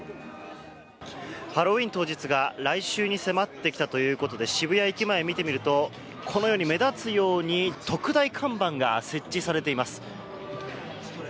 ハロウィーン当日が来週に迫ってきたということで渋谷駅前見てみるとこのように目立つように特大看板が設置されています。